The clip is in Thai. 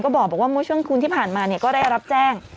ก็บอกว่ามุชวงค์คลุณที่ผ่านมาเนี่ยก็ได้รับแจ้ง